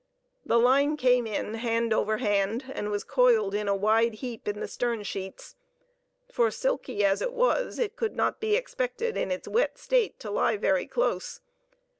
The line came in hand over hand, and was coiled in a wide heap in the stern sheets, for, silky as it was, it could not be expected in its wet state to lie very close.